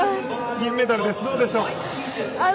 銀メダルです、どうでしょう？